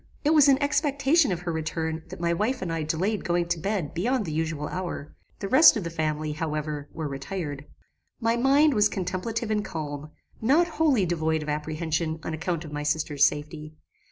It was in expectation of her return that my wife and I delayed going to bed beyond the usual hour; the rest of the family, however, were retired. "My mind was contemplative and calm; not wholly devoid of apprehension on account of my sister's safety.